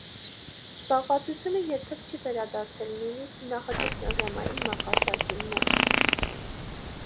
Զբաղվածությունը երբեք չի վերադարձել նույնիսկ նախաճգնաժամային մակարդակին մոտ։